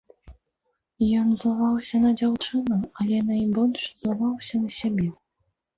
Ён злаваўся на дзяўчыну, але найбольш злаваўся на сябе.